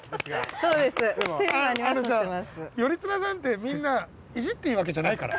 頼綱さんってみんないじっていいわけじゃないから。